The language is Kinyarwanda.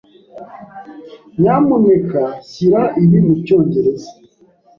Nyamuneka shyira ibi mucyongereza.